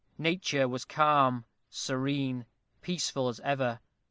Nature was calm, serene, peaceful as ever.